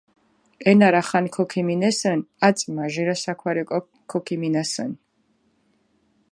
ენა რახან ქოქიმინესჷნი, აწი მაჟირა საქვარი ოკო ქოქიმინასჷნი.